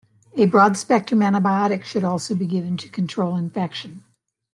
A broad-spectrum antibiotic should also be given to control infection.